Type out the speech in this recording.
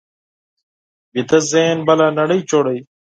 ویده ذهن بله نړۍ جوړوي